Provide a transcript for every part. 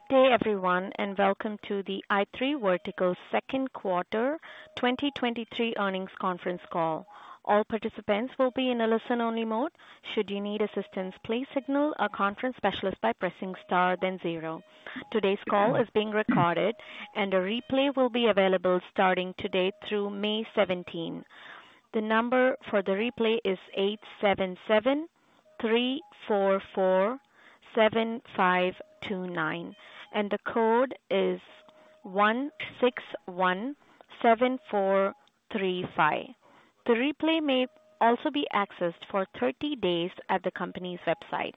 Good day, everyone, and welcome to the i3 Verticals second quarter 2023 earnings conference call. All participants will be in a listen-only mode. Should you need assistance, please signal our conference specialist by pressing star then zero. Today's call is being recorded and a replay will be available starting today through May 17. The number for the replay is 877-344-7529, and the code is 1617435. The replay may also be accessed for 30 days at the company's website.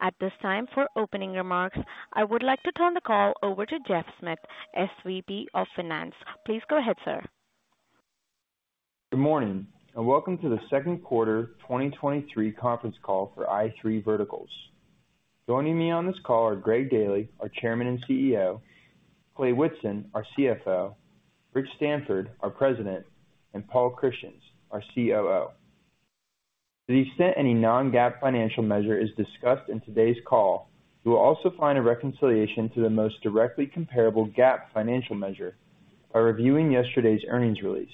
At this time, for opening remarks, I would like to turn the call over to Geoff Smith, SVP of Finance. Please go ahead, sir. Good morning, and welcome to the second quarter 2023 conference call for i3 Verticals. Joining me on this call are Greg Daily, our Chairman and CEO, Clay Whitson, our CFO, Rick Stanford, our President, and Paul Christians, our COO. To the extent any non-GAAP financial measure is discussed in today's call, you will also find a reconciliation to the most directly comparable GAAP financial measure by reviewing yesterday's earnings release.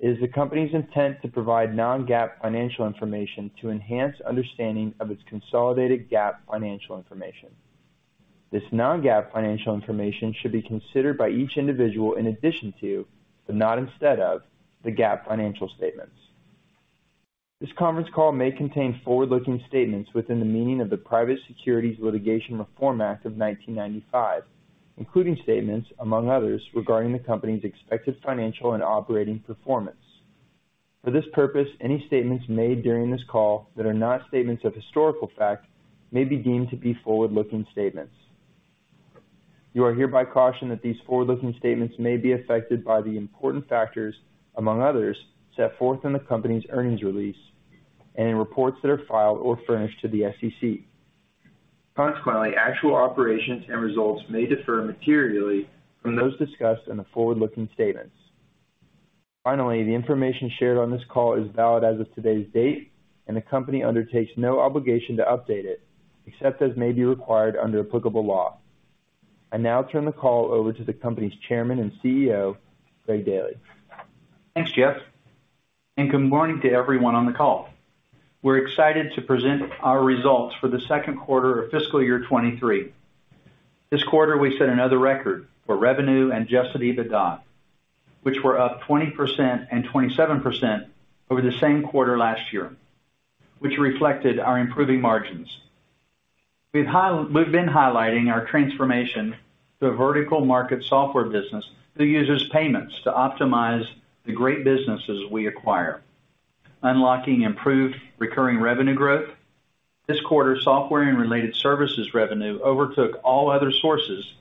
It is the company's intent to provide non-GAAP financial information to enhance understanding of its consolidated GAAP financial information. This non-GAAP financial information should be considered by each individual in addition to, but not instead of, the GAAP financial statements. This conference call may contain forward-looking statements within the meaning of the Private Securities Litigation Reform Act of 1995, including statements, among others, regarding the company's expected financial and operating performance. For this purpose, any statements made during this call that are not statements of historical fact may be deemed to be forward-looking statements. You are hereby cautioned that these forward-looking statements may be affected by the important factors, among others, set forth in the company's earnings release and in reports that are filed or furnished to the SEC. Consequently, actual operations and results may differ materially from those discussed in the forward-looking statements. Finally, the information shared on this call is valid as of today's date, and the company undertakes no obligation to update it, except as may be required under applicable law. I now turn the call over to the company's Chairman and CEO, Greg Daily. Thanks, Geoff, good morning to everyone on the call. We're excited to present our results for the second quarter of fiscal year 23. This quarter, we set another record for revenue and adjusted EBITDA, which were up 20% and 27% over the same quarter last year, which reflected our improving margins. We've been highlighting our transformation to a vertical market software business that uses payments to optimize the great businesses we acquire, unlocking improved recurring revenue growth. This quarter, software and related services revenue overtook all other sources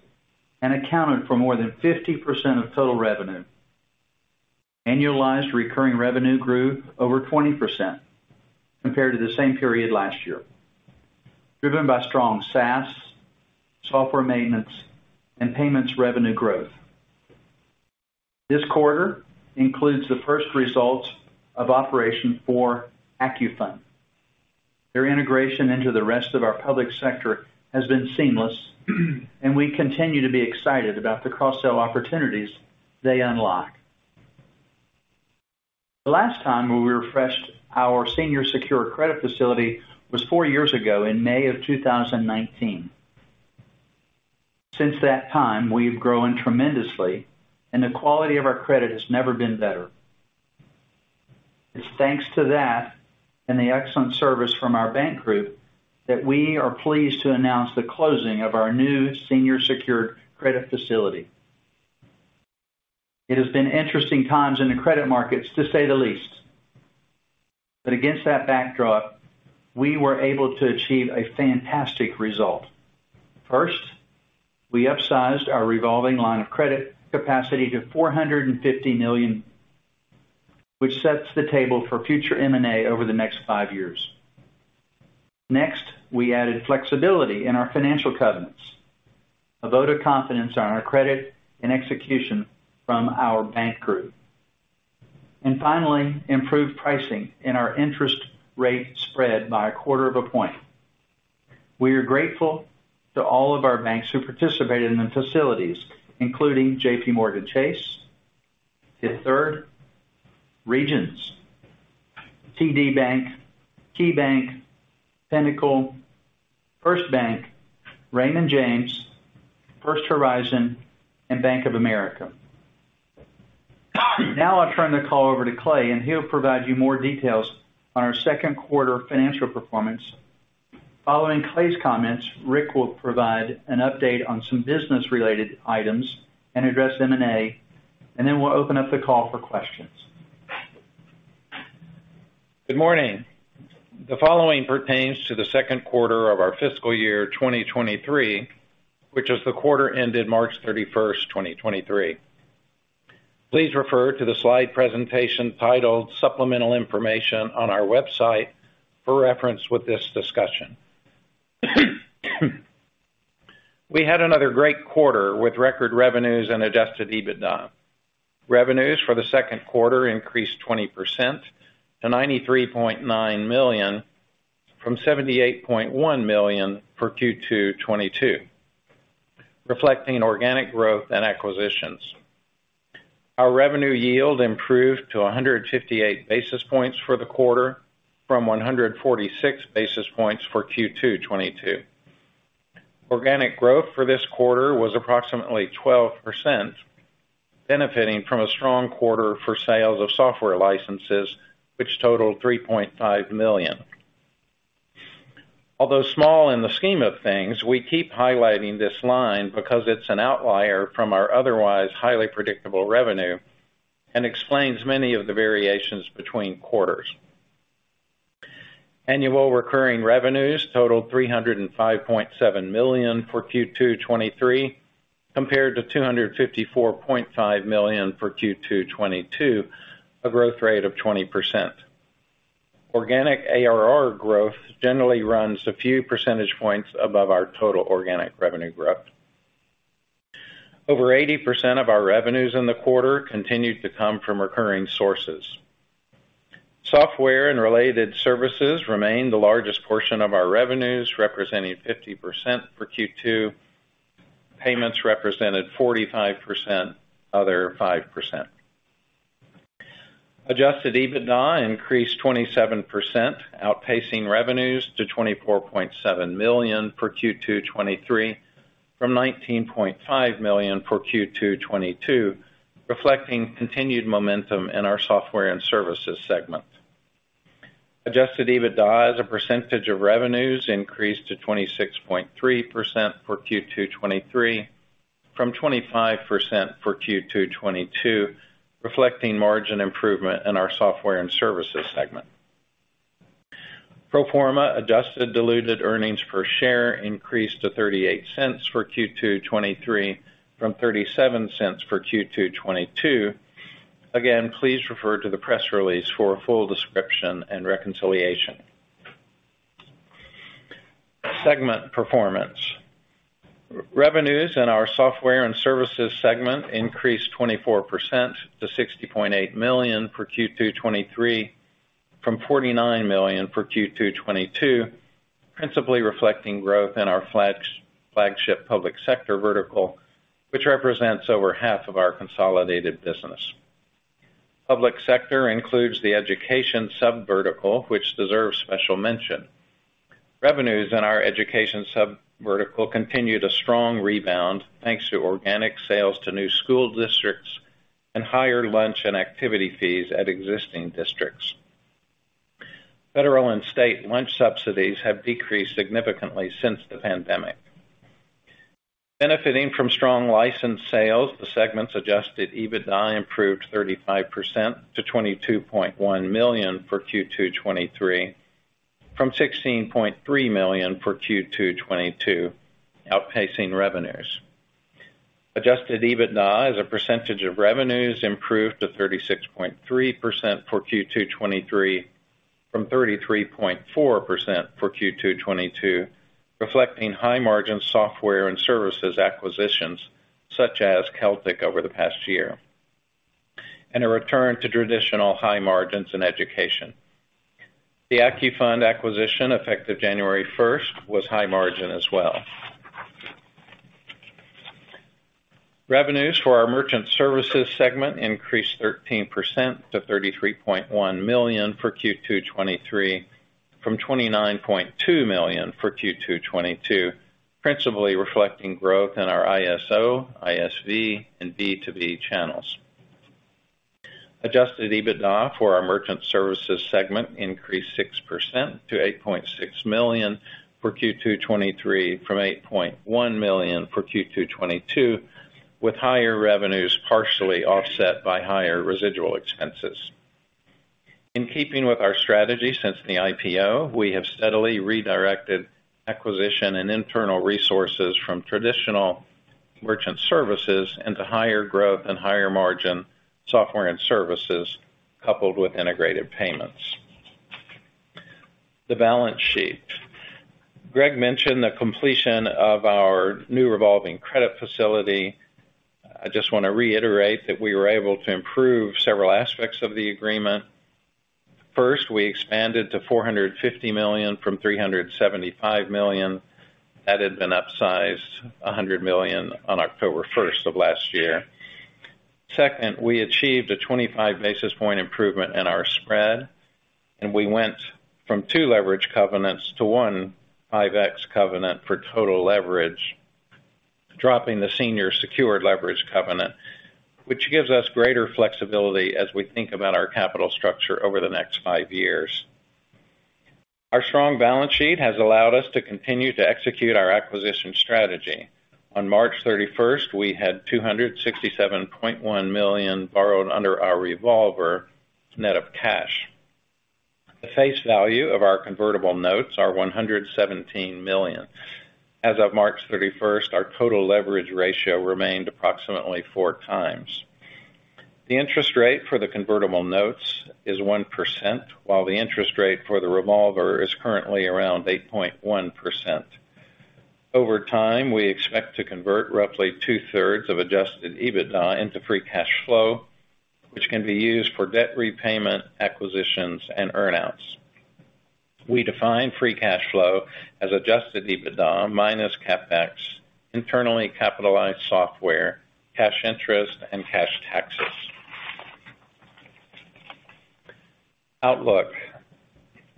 and accounted for more than 50% of total revenue. Annualized recurring revenue grew over 20% compared to the same period last year, driven by strong SaaS, software maintenance, and payments revenue growth. This quarter includes the first results of operation for AccuFund. Their integration into the rest of our public sector has been seamless, and we continue to be excited about the cross-sell opportunities they unlock. The last time we refreshed our senior secured credit facility was four years ago in May of 2019. Since that time, we've grown tremendously, and the quality of our credit has never been better. It's thanks to that and the excellent service from our bank group that we are pleased to announce the closing of our new senior secured credit facility. It has been interesting times in the credit markets to say the least. Against that backdrop, we were able to achieve a fantastic result. First, we upsized our revolving line of credit capacity to $450 million, which sets the table for future M&A over the next five years. Next, we added flexibility in our financial covenants, a vote of confidence on our credit and execution from our bank group. Finally, improved pricing in our interest rate spread by a quarter of a point. We are grateful to all of our banks who participated in the facilities, including JPMorgan Chase, Fifth Third, Regions, TD Bank, KeyBank, Pinnacle, FirstBank, Raymond James, First Horizon, and Bank of America. I'll turn the call over to Clay, and he'll provide you more details on our second quarter financial performance. Following Clay's comments, Rick will provide an update on some business-related items and address M&A, then we'll open up the call for questions. Good morning. The following pertains to the second quarter of our fiscal year 2023, which is the quarter ended March 31st, 2023. Please refer to the slide presentation titled Supplemental Information on our website for reference with this discussion. We had another great quarter with record revenues and adjusted EBITDA. Revenues for the second quarter increased 20% to $93.9 million from $78.1 million for Q2 2022, reflecting organic growth and acquisitions. Our revenue yield improved to 158 basis points for the quarter from 146 basis points for Q2 2022. Organic growth for this quarter was approximately 12%, benefiting from a strong quarter for sales of software licenses, which totaled $3.5 million. Although small in the scheme of things, we keep highlighting this line because it's an outlier from our otherwise highly predictable revenue and explains many of the variations between quarters. Annual recurring revenues totaled $305.7 million for Q2 2023, compared to $254.5 million for Q2 2022, a growth rate of 20%. Organic ARR growth generally runs a few percentage points above our total organic revenue growth. Over 80% of our revenues in the quarter continued to come from recurring sources. Software and related services remain the largest portion of our revenues, representing 50% for Q2. Payments represented 45%, other 5%. Adjusted EBITDA increased 27%, outpacing revenues to $24.7 million for Q2 2023, from $19.5 million for Q2 2022, reflecting continued momentum in our software and services segment. Adjusted EBITDA as a percentage of revenues increased to 26.3% for Q2 2023 from 25% for Q2 2022, reflecting margin improvement in our software and services segment. Pro forma adjusted diluted earnings per share increased to $0.38 for Q2 2023 from $0.37 for Q2 2022. Please refer to the press release for a full description and reconciliation. Segment performance - Revenues in our software and services segment increased 24% to $60.8 million for Q2 2023, from $49 million for Q2 2022, principally reflecting growth in our flagship public sector vertical, which represents over half of our consolidated business. Public sector includes the education sub-vertical, which deserves special mention. Revenues in our education sub-vertical continued a strong rebound, thanks to organic sales to new school districts and higher lunch and activity fees at existing districts. Federal and state lunch subsidies have decreased significantly since the pandemic. Benefiting from strong license sales, the segment's adjusted EBITDA improved 35% to $22.1 million for Q2 2023, from $16.3 million for Q2 2022, outpacing revenues. Adjusted EBITDA as a percentage of revenues improved to 36.3% for Q2 2023 from 33.4% for Q2 2022, reflecting high margin software and services acquisitions, such as Celtic over the past year, and a return to traditional high margins in education. The AccuFund acquisition, effective January first, was high margin as well. Revenues for our merchant services segment increased 13% to $33.1 million for Q2 2023 from $29.2 million for Q2 2022, principally reflecting growth in our ISO, ISV, and B2B channels. Adjusted EBITDA for our merchant services segment increased 6% to $8.6 million for Q2 2023 from $8.1 million for Q2 2022, with higher revenues partially offset by higher residual expenses. In keeping with our strategy since the IPO, we have steadily redirected acquisition and internal resources from traditional merchant services into higher growth and higher margin software and services, coupled with integrated payments. The balance sheet. Greg mentioned the completion of our new revolving credit facility. I just wanna reiterate that we were able to improve several aspects of the agreement. First, we expanded to $450 million from $375 million. That had been upsized $100 million on October 1st of last year. Second, we achieved a 25 basis point improvement in our spread, and we went from two leverage covenants to 1 5x, covenant for total leverage, dropping the senior secured leverage covenant, which gives us greater flexibility as we think about our capital structure over the next five years. Our strong balance sheet has allowed us to continue to execute our acquisition strategy. On March 31st, we had $267.1 million borrowed under our revolver, net of cash. The face value of our convertible notes are $117 million. As of March 31st, our total leverage ratio remained approximately four times. The interest rate for the convertible notes is 1%, while the interest rate for the revolver is currently around 8.1%. Over time, we expect to convert roughly 2/3 of adjusted EBITDA into free cash flow, which can be used for debt repayment, acquisitions, and earn-outs. We define free cash flow as adjusted EBITDA minus CapEx, internally capitalized software, cash interest, and cash taxes. Outlook.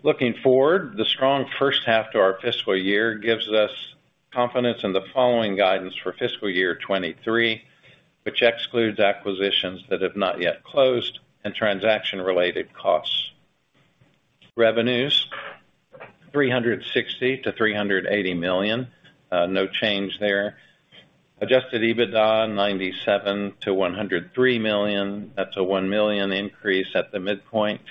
Looking forward, the strong first half to our fiscal year gives us confidence in the following guidance for fiscal year 2023, which excludes acquisitions that have not yet closed and transaction-related costs. Revenues, $360 million-$380 million; no change there, adjusted EBITDA, $97 million-$103 million. That's a $1 million increase at the midpoint.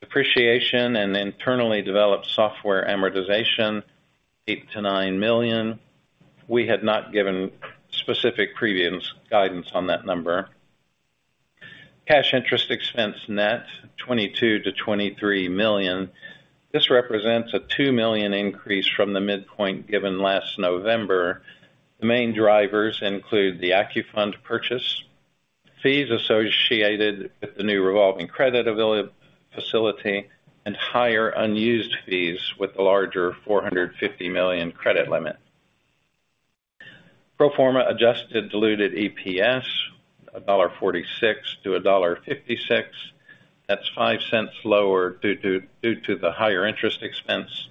Depreciation and internally developed software amortization, $8 million-$9 million. We had not given specific previous guidance on that number. Cash interest expense net, $22 million-$23 million. This represents a $2 million increase from the midpoint given last November. The main drivers include the AccuFund purchase, fees associated with the new revolving credit facility, and higher unused fees with the larger $450 million credit limit. Pro - forma adjusted diluted EPS, $1.46-$1.56. That's $0.05 lower due to the higher interest expense.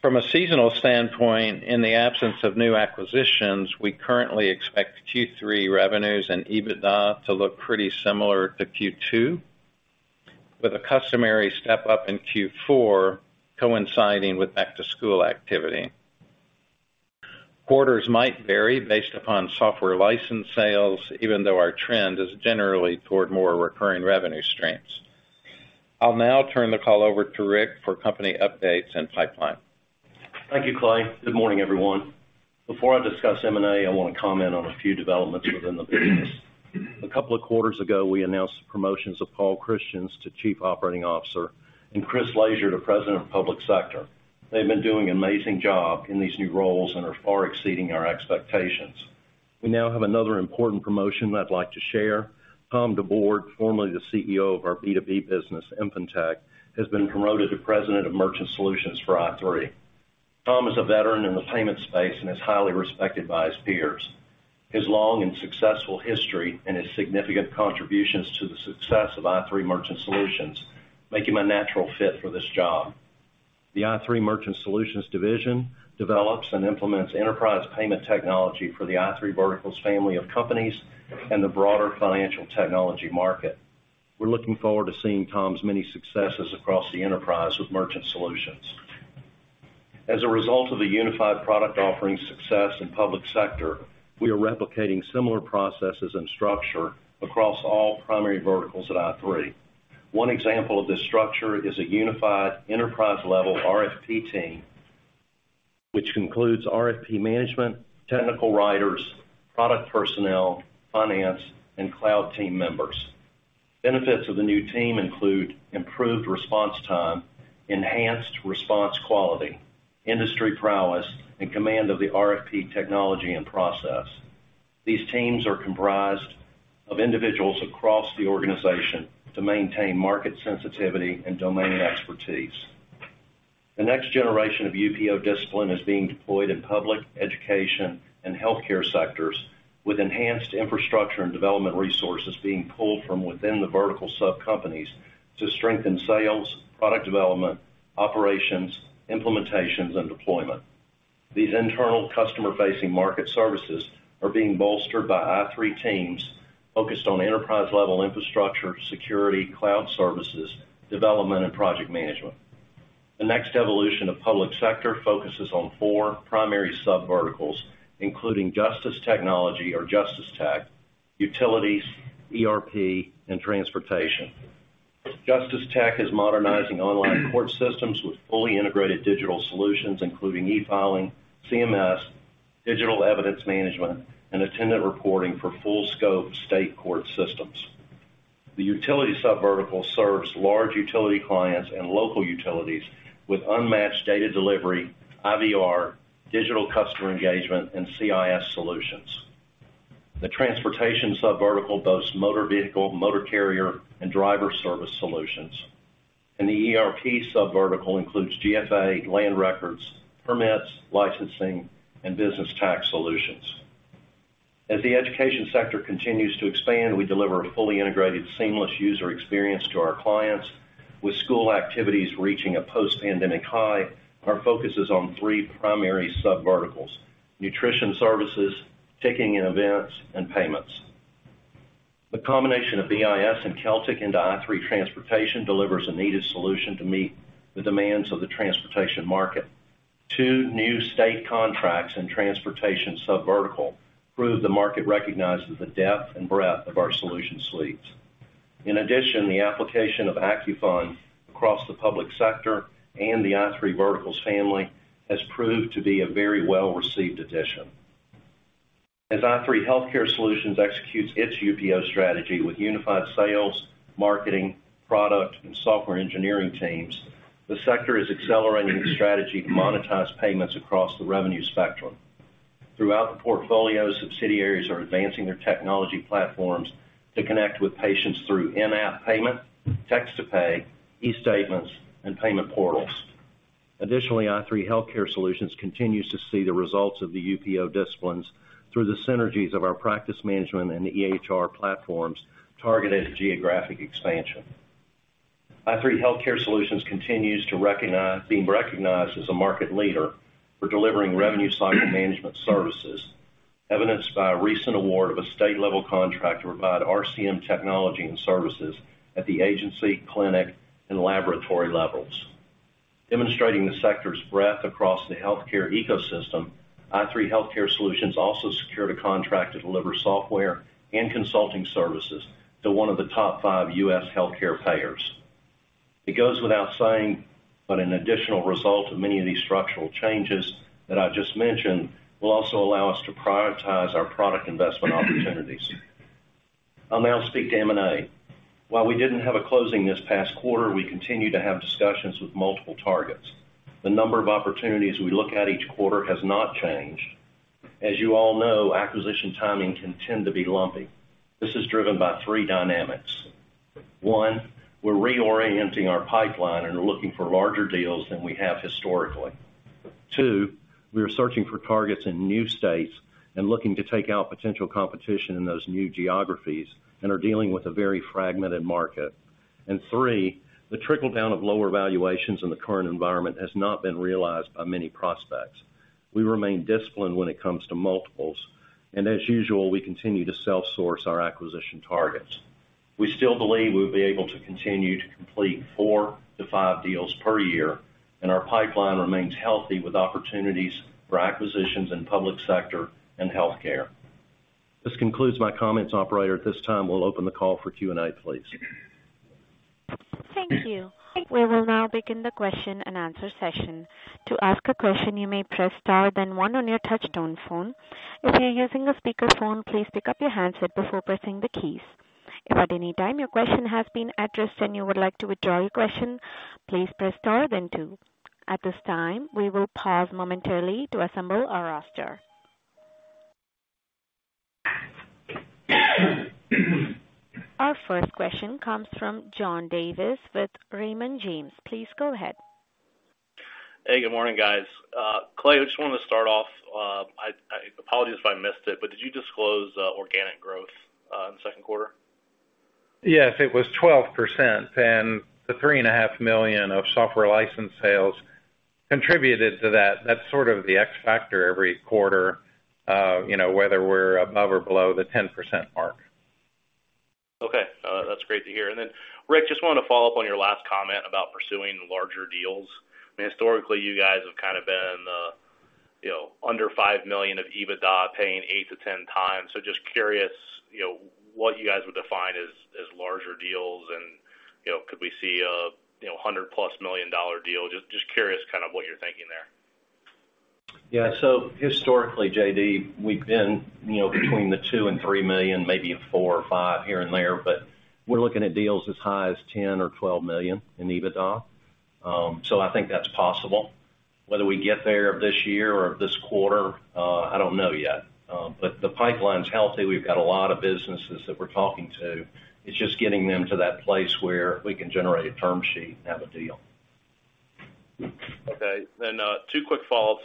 From a seasonal standpoint, in the absence of new acquisitions, we currently expect Q3 revenues and EBITDA to look pretty similar to Q2, with a customary step-up in Q4 coinciding with back-to-school activity. Quarters might vary based upon software license sales, even though our trend is generally toward more recurring revenue streams. I'll now turn the call over to Rick for company updates and pipeline. Thank you, Clay. Good morning, everyone. Before I discuss M&A, I wanna comment on a few developments within the business. A couple of quarters ago, we announced the promotions of Paul Christians to Chief Operating Officer and Chris Laisure to President of Public Sector. They've been doing an amazing job in these new roles and are far exceeding our expectations. We now have another important promotion that I'd like to share. Tom DeBord, formerly the CEO of our B2B business, Infintech, has been promoted to President of Merchant Solutions for i3 Verticals. Tom is a veteran in the payment space, and is highly respected by his peers. His long and successful history and his significant contributions to the success of i3 Merchant Solutions make him a natural fit for this job. The i3 Merchant Solutions division develops and implements enterprise payment technology for the i3 Verticals family of companies and the broader financial technology market. We're looking forward to seeing Tom's many successes across the enterprise with Merchant Solutions. As a result of the unified product offering success in public sector, we are replicating similar processes and structure across all primary verticals at i3. One example of this structure, is a unified enterprise-level RFP team, which includes RFP management, technical writers, product personnel, finance, and cloud team members. Benefits of the new team include improved response time, enhanced response quality, industry prowess, and command of the RFP technology and process. These teams are comprised of individuals across the organization to maintain market sensitivity and domain expertise. The next generation of UPO discipline is being deployed in public, education, and healthcare sectors with enhanced infrastructure and development resources being pulled from within the vertical sub-companies to strengthen sales, product development, operations, implementations, and deployment. These internal customer-facing market services are being bolstered by i3 teams, focused on enterprise-level infrastructure, security, cloud services, development, and project management. The next evolution of public sector focuses on four primary sub-verticals, including justice technology or justice tech, utilities, ERP, and transportation. Justice tech is modernizing online court systems with fully integrated digital solutions, including e-filing, CMS, digital evidence management, and attendant reporting for full scope state court systems. The utility sub-vertical serves large utility clients and local utilities with unmatched data delivery, IVR, digital customer engagement, and CIS solutions. The transportation sub-vertical boasts motor vehicle, motor carrier, and driver service solutions. The ERP sub-vertical includes GFA land records, permits, licensing, and business tax solutions. As the education sector continues to expand, we deliver a fully integrated, seamless user experience to our clients, with school activities reaching a post-pandemic high, our focus is on three primary sub-verticals: nutrition services, ticketing and events, and payments. The combination of BIS and Celtic into i3 Transportation delivers a needed solution to meet the demands of the transportation market. Two new state contracts and transportation sub-vertical prove the market recognizes the depth and breadth of our solution suites. In addition, the application of AccuFund across the public sector and the i3 Verticals family has proved to be a very well-received addition. As i3 Healthcare Solutions executes its UPO strategy with unified sales, marketing, product, and software engineering teams, the sector is accelerating its strategy to monetize payments across the revenue spectrum. Throughout the portfolio, subsidiaries are advancing their technology platforms to connect with patients through in-app payment, text-to-pay, eStatements, and payment portals. i3 Healthcare Solutions continues to see the results of the UPO disciplines through the synergies of our practice management, and the EHR platforms targeted geographic expansion. i3 Healthcare Solutions continues to be recognized as a market leader for delivering revenue cycle management services, evidenced by a recent award of a state-level contract to provide RCM technology and services at the agency, clinic, and laboratory levels. Demonstrating the sector's breadth across the healthcare ecosystem, i3 Healthcare Solutions also secured a contract to deliver software and consulting services to one of the top five U.S. healthcare payers. It goes without saying, an additional result of many of these structural changes that I just mentioned will also allow us to prioritize our product investment opportunities. I'll now speak to M&A. While we didn't have a closing this past quarter, we continue to have discussions with multiple targets. The number of opportunities we look at each quarter has not changed. As you all know, acquisition timing can tend to be lumpy. This is driven by three dynamics. One, we're reorienting our pipeline and are looking for larger deals than we have historically. Two, we are searching for targets in new states and looking to take out potential competition in those new geographies and are dealing with a very fragmented market. Three, the trickle down of lower valuations in the current environment has not been realized by many prospects. We remain disciplined when it comes to multiples, and as usual, we continue to self-source our acquisition target. We still believe we'll be able to continue to complete four-five deals per year. Our pipeline remains healthy with opportunities for acquisitions in public sector and healthcare. This concludes my comments, operator. At this time, we'll open the call for Q&A, please. Thank you. We will now begin the question-and-answer session. To ask a question, you may press star then one on your touchtone phone. If you're using a speakerphone, please pick up your handset before pressing the keys. If at any time your question has been addressed and you would like to withdraw your question, please press star then two. At this time, we will pause momentarily to assemble our roster. Our first question comes from John Davis with Raymond James. Please go ahead. Hey, good morning, guys. Clay, I just wanted to start off, I apologies if I missed it, but did you disclose organic growth in the second quarter? Yes, it was 12%, and the $3.5 million of software license sales contributed to that. That's sort of the X factor every quarter, you know, whether we're above or below the 10% mark. Okay. That's great to hear. Rick, just wanted to follow up on your last comment about pursuing larger deals. I mean, historically, you guys have kind of been, you know, under $5 million of EBITDA, paying eight to 10 times. Just curious, you know, what you guys would define as larger deals and, you know, could we see a, you know, $100-plus million deal? Just curious kind of what you're thinking there? Yeah. Historically, JD, we've been, you know, between $2 million and $3 million, maybe a $4 million or $5 million here and there, but we're looking at deals as high as $10 million or $12 million in EBITDA. I think that's possible. Whether we get there this year or this quarter, I don't know yet. The pipeline's healthy. We've got a lot of businesses that we're talking to. It's just getting them to that place where we can generate a term sheet and have a deal. Okay. Two quick follows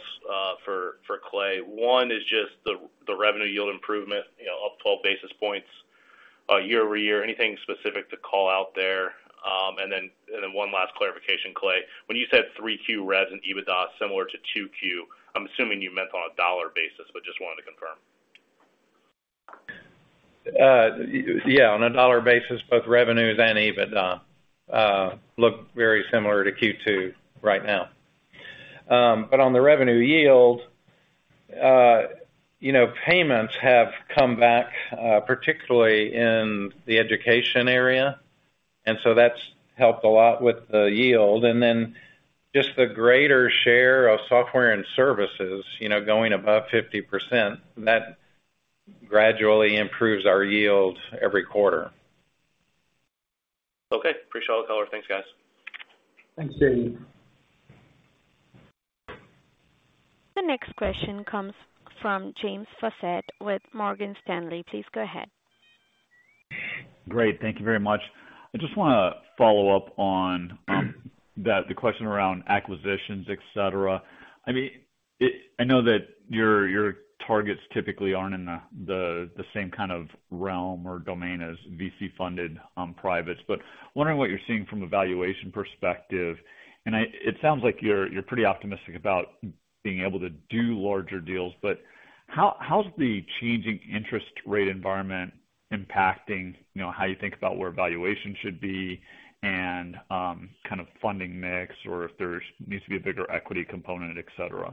for Clay. One is just the revenue yield improvement, you know, up 12 basis points year-over-year. Anything specific to call out there? One last clarification, Clay, when you said 3Q revs and EBITDA similar to 2Q, I'm assuming you meant on a dollar basis, but just wanted to confirm. Yeah, on a dollar basis, both revenues and EBITDA look very similar to Q2 right now. On the revenue yield, you know, payments have come back, particularly in the education area, and so that's helped a lot with the yield. Just the greater share of software and services, you know, going above 50%, that gradually improves our yield every quarter. Okay. Appreciate all the [color]. Thanks, guys. Thanks, J.D. The next question comes from James Faucette with Morgan Stanley, please go ahead. Great. Thank you very much. I just wanna follow up on that the question around acquisitions, et cetera. I mean, I know that your targets typically aren't in the same kind of realm or domain as VC-funded privates, but wondering what you're seeing from a valuation perspective. It sounds like you're pretty optimistic about being able to do larger deals. How's the changing interest rate environment impacting, you know, how you think about where valuation should be and kind of funding mix or if there needs to be a bigger equity component, et cetera?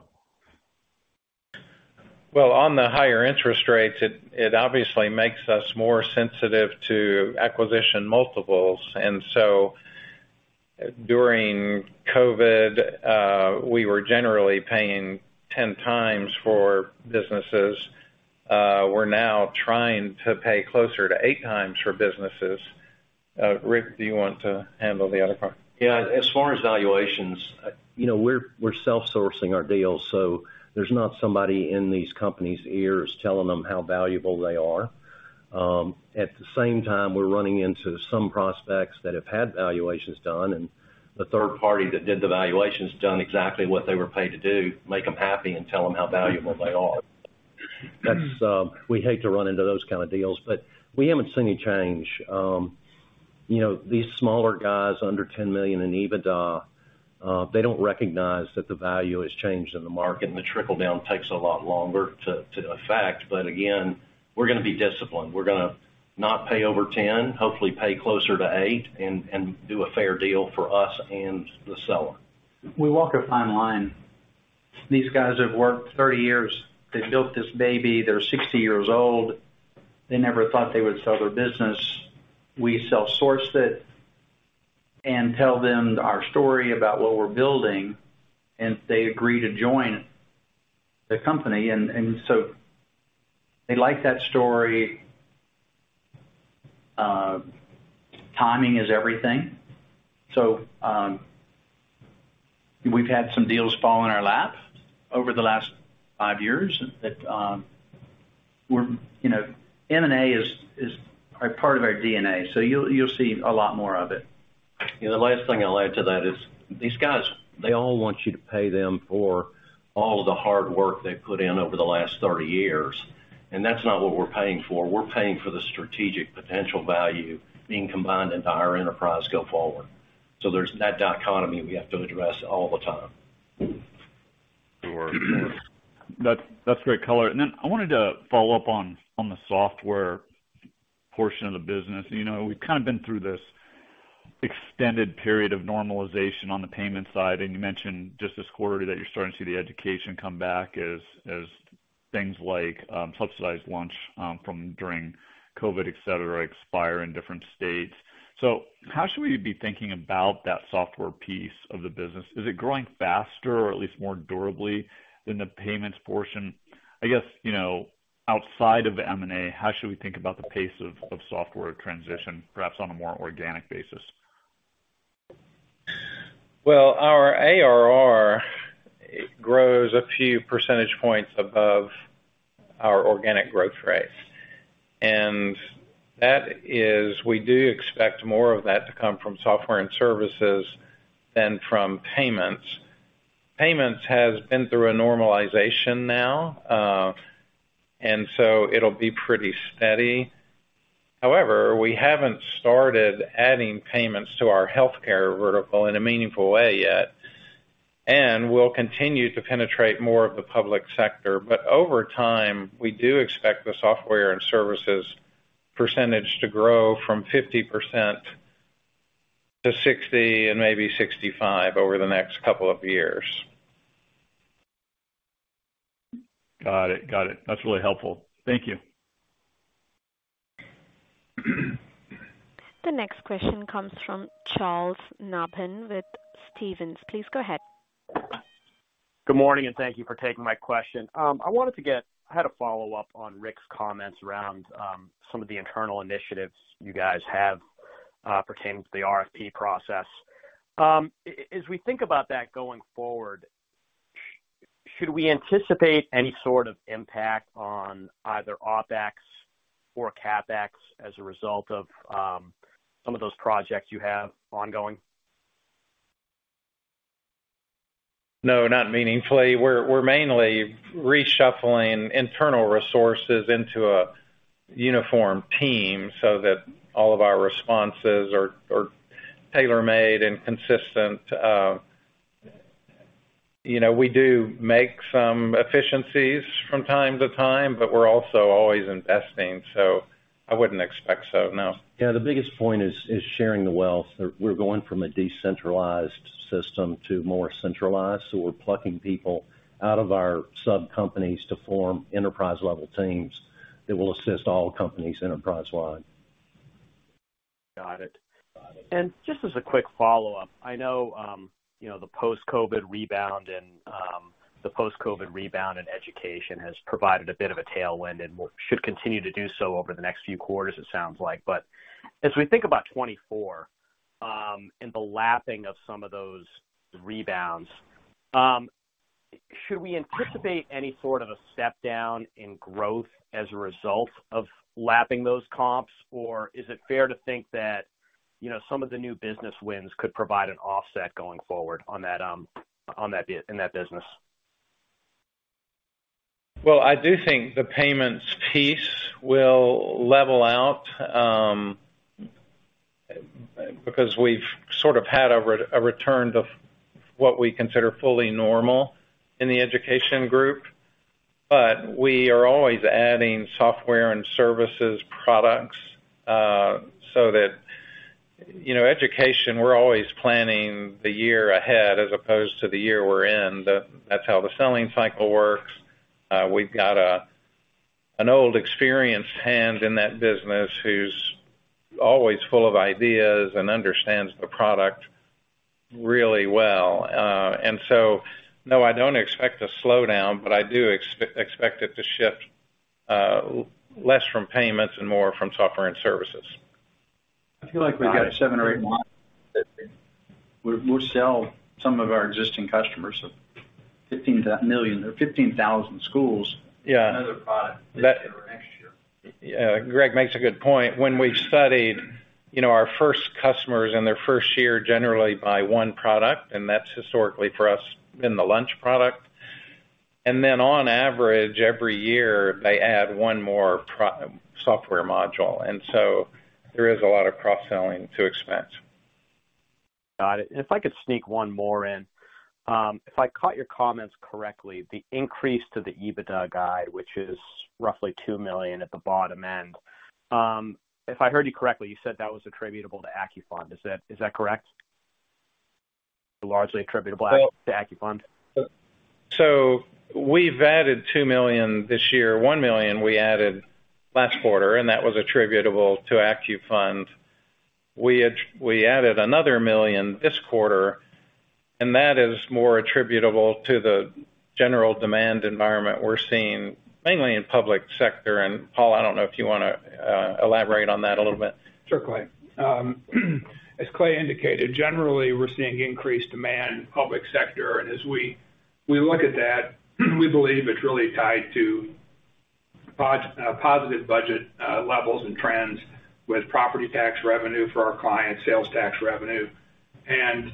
Well, on the higher interest rates, it obviously makes us more sensitive to acquisition multiples. During COVID, we were generally paying 10 times for businesses. We're now trying to pay closer to eight times for businesses. Rick, do you want to handle the other part? Yeah. As far as valuations, you know, we're self-sourcing our deals, so there's not somebody in these companies' ears telling them how valuable they are. At the same time, we're running into some prospects that have had valuations done, and the third party that did the valuations done exactly what they were paid to do, make them happy and tell them how valuable they are. That's, we hate to run into those kind of deals, but we haven't seen any change. You know, these smaller guys under $10 million in EBITDA, they don't recognize that the value has changed in the market, and the trickle-down takes a lot longer to affect. Again, we're gonna be disciplined. We're gonna not pay over 10, hopefully pay closer to eight and do a fair deal for us and the seller. We walk a fine line. These guys have worked 30 years. They built this baby. They're 60 years old. They never thought they would sell their business. We self-source it and tell them our story about what we're building, and they agree to join the company. They like that story, timing is everything. We've had some deals fall in our lap over the last five years that we're, you know M&A is part of our DNA, so you'll see a lot more of it. The last thing I'll add to that is these guys, they all want you to pay them for all of the hard work they've put in over the last 30 years. That's not what we're paying for. We're paying for the strategic potential value being combined into our enterprise going forward. There's that dichotomy we have to address all the time. Sure! That's great [ color]. I wanted to follow up on the software portion of the business. You know, we've kind of been through this extended period of normalization on the payment side, and you mentioned just this quarter that you're starting to see the education come back as things like subsidized lunch from during COVID, et cetera, expire in different states. How should we be thinking about that software piece of the business? Is it growing faster or at least more durably than the payments portion? I guess, you know, outside of M&A, how should we think about the pace of software transition, perhaps on a more organic basis? Well, our ARR grows a few percentage points above our organic growth rate. That is, we do expect more of that to come from software and services than from payments. Payments has been through a normalization now, it'll be pretty steady. However, we haven't started adding payments to our healthcare vertical in a meaningful way yet, and we'll continue to penetrate more of the public sector. Over time, we do expect the software and services percentage to grow from 50% to 60 and maybe 65 over the next couple of years. Got it. That's really helpful. Thank you. The next question comes from Charles Nabhan with Stephens, please go ahead. Good morning. Thank you for taking my question. I had a follow-up on Rick's comments around some of the internal initiatives you guys have pertaining to the RFP process, as we think about that going forward, should we anticipate any sort of impact on either OpEx or CapEx as a result of some of those projects you have ongoing? No, not meaningfully. We're mainly reshuffling internal resources into a uniform team, so that all of our responses are tailor-made and consistent. You know, we do make some efficiencies from time to time, but we're also always investing, so I wouldn't expect so, no. Yeah. The biggest point is sharing the wealth. We're going from a decentralized system to more centralized, so we're plucking people out of our sub companies to form enterprise-level teams that will assist all companies enterprise-wide. Got it. Just as a quick follow-up, I know, you know, the post-COVID rebound and the post-COVID rebound in education has provided a bit of a tailwind and should continue to do so over the next few quarters, it sounds like. As we think about 2024, and the lapping of some of those rebounds, should we anticipate any sort of a step down in growth as a result of lapping those comps? Is it fair to think that, you know, some of the new business wins could provide an offset going forward on that in that business? I do think the payments piece will level out because we've sort of had a return to what we consider fully normal in the education group. We are always adding software and services products. You know, education, we're always planning the year ahead as opposed to the year we're in. That's how the selling cycle works. We've got an old experienced hand in that business who's always full of ideas and understands the product really well. No, I don't expect a slowdown, but I do expect it to shift, less from payments and more from software and services. I feel like we've got seven or eight months, that we'll sell some of our existing customers of $15 million or 15,000 schools... Yeah. Another product this year or next year. Yeah. Greg makes a good point. When we studied, you know, our first customers in their first year, generally buy one product, that's historically for us been the lunch product. Then on average, every year, they add one more software module, so there is a lot of cross-selling to expense. Got it. If I could sneak one more in. If I caught your comments correctly, the increase to the EBITDA guide, which is roughly $2 million at the bottom end. If I heard you correctly, you said that was attributable to AccuFund. Is that correct? Largely attributable to AccuFund. We've added $2 million this year. $1 million we added last quarter, and that was attributable to AccuFund. We added another $1 million this quarter, and that is more attributable to the general demand environment we're seeing mainly in public sector. Paul, I don't know if you wanna elaborate on that a little bit. Sure, Clay. As Clay indicated, generally we're seeing increased demand in public sector. As we look at that, we believe it's really tied to positive budget levels and trends with property tax revenue for our clients, sales tax revenue, and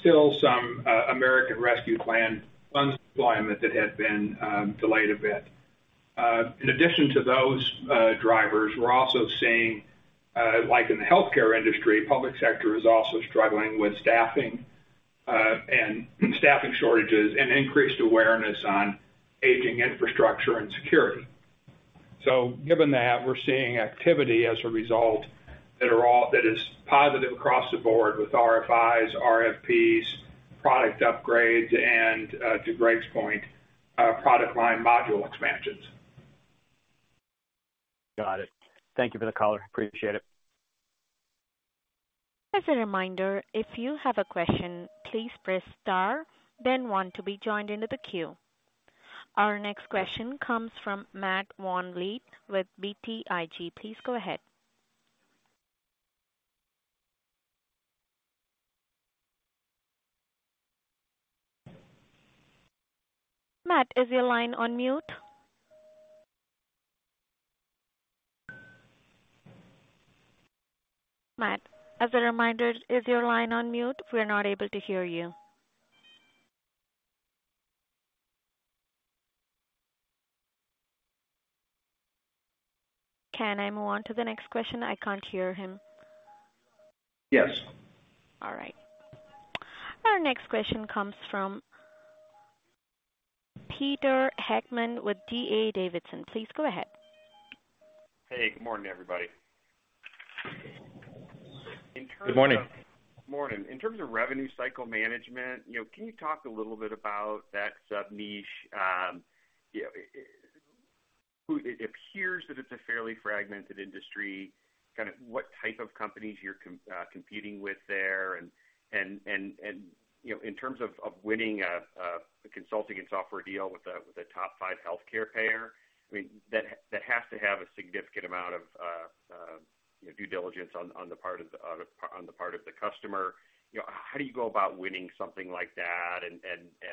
still some American Rescue Plan funds deployment that had been delayed a bit. In addition to those drivers, we're also seeing like in the healthcare industry, public sector is also struggling with staffing and staffing shortages and increased awareness on aging infrastructure and security. Given that, we're seeing activity as a result that is positive across the board with RFIs, RFPs, product upgrades, and to Greg's point, product line module expansions. Got it. Thank you for the [color]. Appreciate it. As a reminder, if you have a question, please press star, then one to be joined into the queue. Our next question comes from Matt VanVliet with BTIG. Please go ahead. Matt, is your line on mute? Matt, as a reminder, is your line on mute? We're not able to hear you. Can I move on to the next question? I can't hear him. Yes. All right. Our next question comes from Peter Heckmann with D.A. Davidson, please go ahead. Hey, good morning, everybody? Good morning. Morning. In terms of revenue cycle management, you know, can you talk a little bit about that sub-niche? You know, it appears that it's a fairly fragmented industry, kind of what type of companies you're competing with there?. You know, in terms of winning a consulting and software deal with a top five healthcare payer, I mean, that has to have a significant amount of due diligence on the part of the customer. You know, how do you go about winning something like that?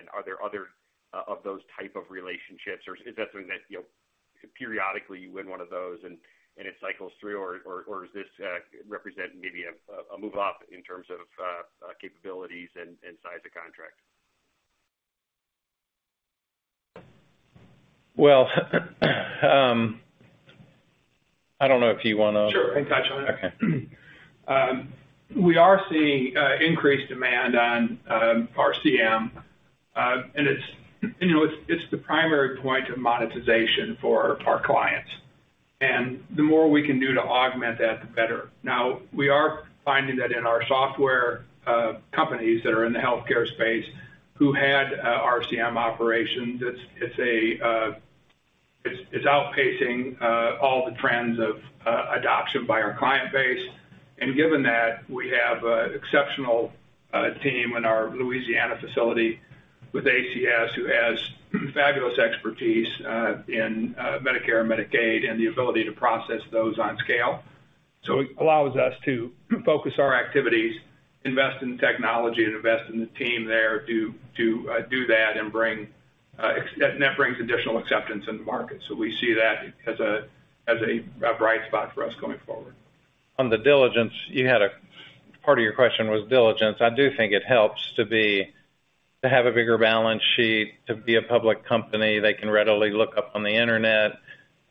Are there other of those type of relationships? Or is that something that, you know, periodically you win one of those and it cycles through? Is this representing maybe a move up in terms of capabilities and size of contract? I don't know if you. Sure. I can touch on it. Okay. We are seeing increased demand on RCM, and it's, you know, it's the primary point of monetization for our clients. The more we can do to augment that, the better. Now, we are finding that in our software companies that are in the healthcare space who had RCM operations, it's a, it's outpacing all the trends of adoption by our client base. Given that, we have a exceptional team in our Louisiana facility with ACS, who has fabulous expertise in Medicare and Medicaid and the ability to process those on scale. It allows us to focus our activities, invest in technology, and invest in the team there to do that. That brings additional acceptance in the market. We see that as a bright spot for us going forward. On the diligence, you had Part of your question was diligence, I do think it helps to have a bigger balance sheet, to be a public company they can readily look up on the Internet.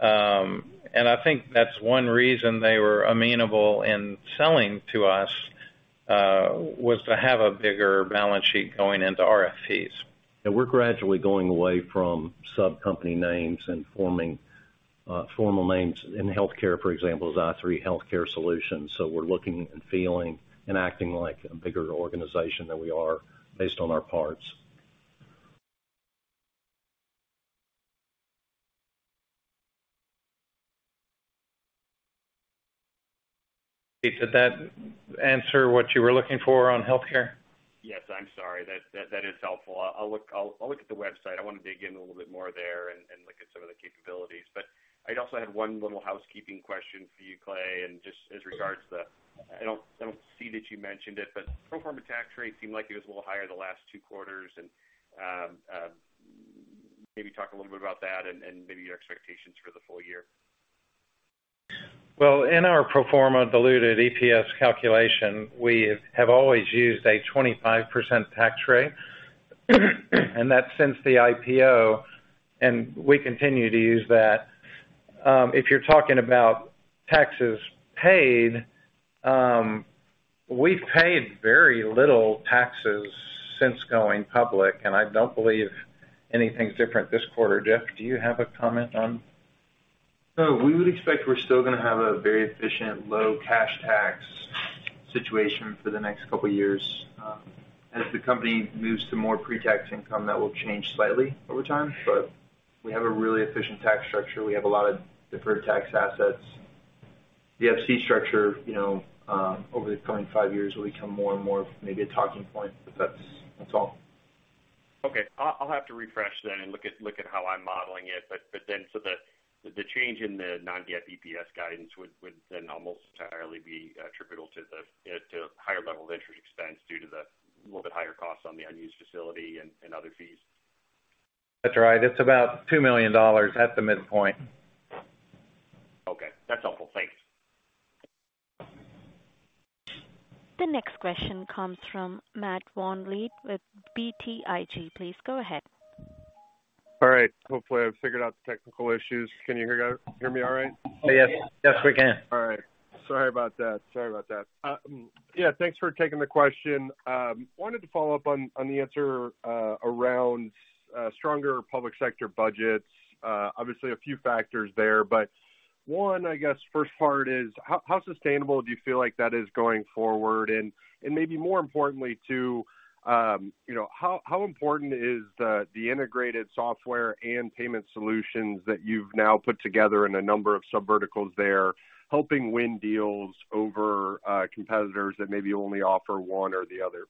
I think that's one reason they were amenable in selling to us, was to have a bigger balance sheet going into RFPs. We're gradually going away from sub-company names and forming, formal names. In healthcare, for example, is i3 Healthcare Solutions. We're looking and feeling and acting like a bigger organization than we are based on our parts. Did that answer what you were looking for on healthcare? Yes. I'm sorry, that is helpful. I'll look at the website. I wanna dig in a little bit more there and look at some of the capabilities. I'd also had one little housekeeping question for you, Clay, and just as regards the, I don't see that you mentioned it, but pro forma tax rate seemed like it was a little higher the last two quarters. Maybe talk a little bit about that and maybe your expectations for the full year. Well, in our pro forma diluted EPS calculation, we have always used a 25% tax rate, and that's since the IPO, and we continue to use that. If you're talking about taxes paid, we've paid very little taxes since going public, and I don't believe anything's different this quarter. Geoff, do you have a comment on? We would expect we're still gonna have a very efficient low cash tax situation for the next couple of years, as the company moves to more pretax income, that will change slightly over time, but we have a really efficient tax structure. We have a lot of deferred tax assets. The FC structure, you know, over the coming five years will become more and more maybe a talking point, but that's all. Okay. I'll have to refresh then and look at how I'm modeling it. The change in the non-GAAP EPS guidance would then almost entirely be attributable to higher levels of interest expense due to the little bit higher costs on the unused facility and other fees. That's right. It's about $2 million at the midpoint. Okay. That's helpful. Thanks. The next question comes from Matt VanVliet with BTIG. Please go ahead. All right. Hopefully, I've figured out the technical issues. Can you hear me all right? Yes. Yes, we can. All right. Sorry about that. Yeah, thanks for taking the question. Wanted to follow up on the answer around stronger public sector budgets. Obviously a few factors there, but one, I guess, first part is how sustainable do you feel like that is going forward? Maybe more importantly too, you know, how important is the integrated software and payment solutions that you've now put together in a number of sub- verticals there, helping win deals over competitors that maybe only offer one or the other?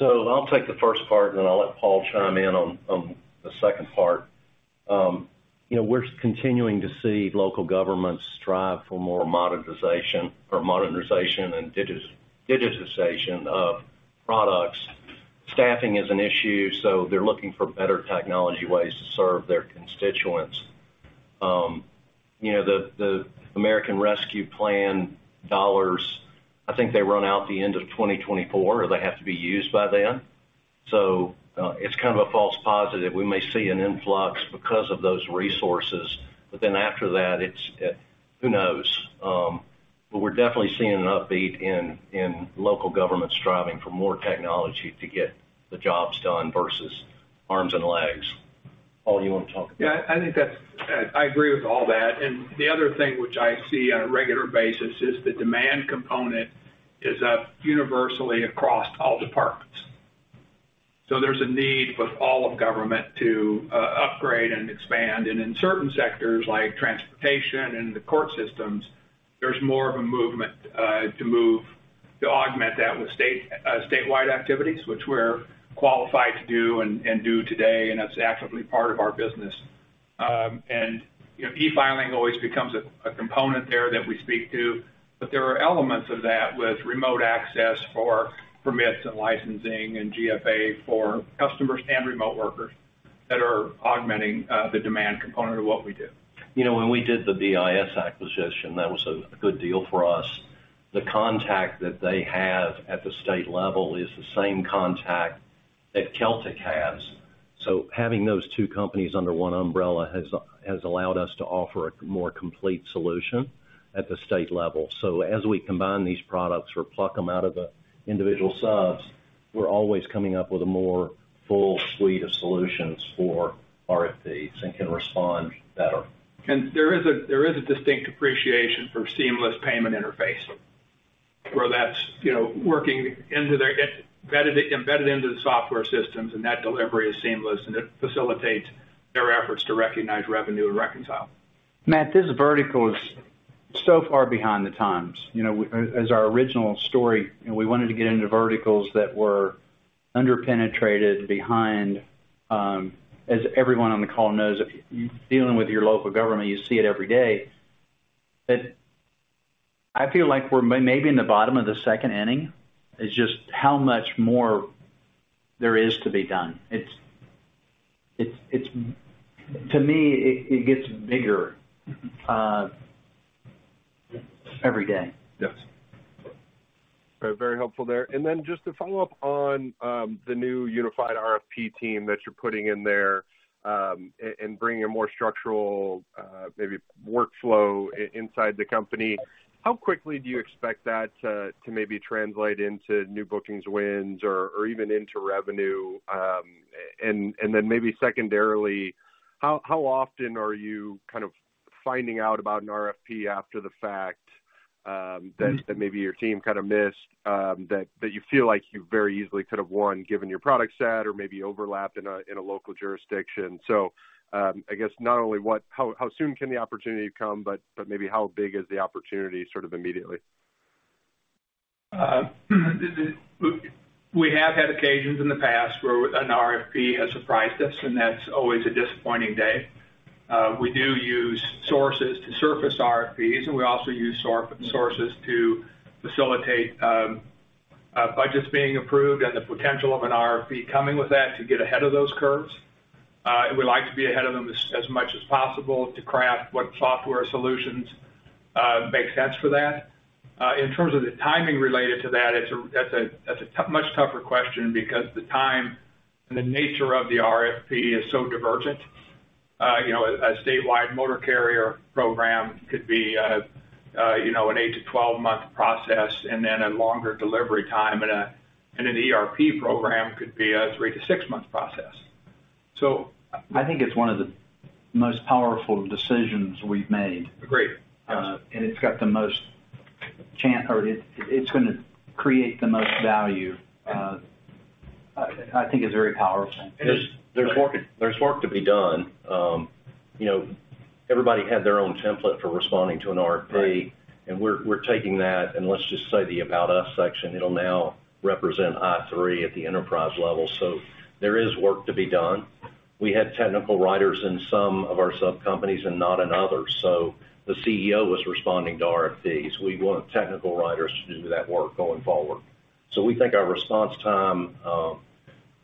I'll take the first part, and then I'll let Paul chime in on the second part. You know, we're continuing to see local governments strive for more modernization and digitization of products. Staffing is an issue, so they're looking for better technology ways to serve their constituents. You know, the American Rescue Plan dollars, I think they run out at the end of 2024, or they have to be used by then. It's kind of a false positive. We may see an influx because of those resources, but then after that, it's... Who knows? We're definitely seeing an upbeat in local governments striving for more technology to get the jobs done versus arms and legs. Paul, you wanna talk? Yeah, I think that's... I agree with all that. The other thing which I see on a regular basis is the demand component is up universally across all departments. There's a need with all of government to upgrade and expand. In certain sectors like transportation and the court systems, there's more of a movement to augment that with statewide activities, which we're qualified to do and do today, and that's actively part of our business. You know, e-filing always becomes a component there that we speak to, but there are elements of that with remote access for permits and licensing and GFA for customers and remote workers that are augmenting the demand component of what we do. You know, when we did the BIS acquisition, that was a good deal for us. The contact that they have at the state level is the same contact that Celtic has. Having those two companies under one umbrella has allowed us to offer a more complete solution at the state level. As we combine these products or pluck them out of the individual subs, we're always coming up with a more full suite of solutions for RFPs and can respond better. There is a distinct appreciation for seamless payment interface, where that's, you know, embedded into the software systems, and that delivery is seamless, and it facilitates their efforts to recognize revenue and reconcile. Matt, this vertical is so far behind the times. You know, as our original story, we wanted to get into verticals that were under-penetrated behind, as everyone on the call knows, if you're dealing with your local government, you see it every day. I feel like we're maybe in the bottom of the second inning, is just how much more there is to be done. It's, to me, it gets bigger, every day. Yes. Very helpful there. Just to follow up on the new unified RFP team that you're putting in there and bringing a more structural maybe workflow inside the company, how quickly do you expect that to maybe translate into new bookings wins or even into revenue? Maybe secondarily, how often are you kind of finding out about an RFP after the fact that maybe your team kind of missed that you feel like you very easily could have won given your product set or maybe overlap in a local jurisdiction? I guess not only how soon can the opportunity come, but maybe how big is the opportunity sort of immediately? We have had occasions in the past where an RFP has surprised us, and that's always a disappointing day. We do use sources to surface RFPs, and we also use sources to facilitate budgets being approved, and the potential of an RFP coming with that to get ahead of those curves. We like to be ahead of them as much as possible to craft what software solutions make sense for that. In terms of the timing related to that, it's a much tougher question because the time and the nature of the RFP is so divergent. You know, a statewide motor carrier program could be, you know, an eight-12 month process and then a longer delivery time, and an ERP program could be a three-six month process. I think it's one of the most powerful decisions we've made. Agreed. It's gonna create the most value. I think it's very powerful. There's work to be done. you know, everybody had their own template for responding to an RFP, and we're taking that, and let's just say the About Us section, it'll now represent i3 at the enterprise level. There is work to be done. We had technical writers in some of our sub companies, and not in others, so the CEO was responding to RFPs. We want technical writers to do that work going forward. We think our response time,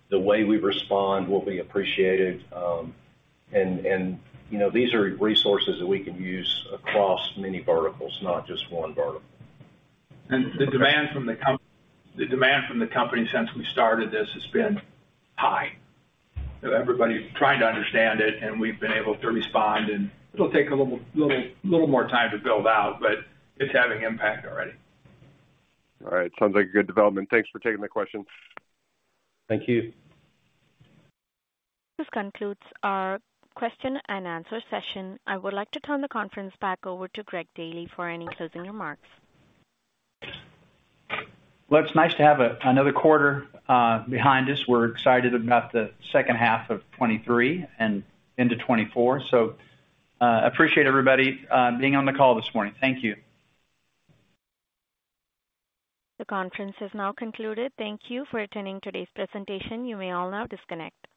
the way we respond will be appreciated, and, you know, these are resources that we can use across many verticals, not just one vertical. The demand from the company since we started this has been high. Everybody's trying to understand it, and we've been able to respond, and it'll take a little more time to build out, but it's having impact already. All right. Sounds like a good development. Thanks for taking the question. Thank you. This concludes our question and answer session. I would like to turn the conference back over to Greg Daily for any closing remarks. Well, it's nice to have another quarter, behind us. We're excited about the second half of 2023 and into 2024, so, appreciate everybody, being on the call this morning. Thank you. The conference has now concluded. Thank you for attending today's presentation. You may all now disconnect.